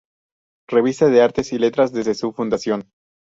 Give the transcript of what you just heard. Revista de Artes y Letras desde su fundación.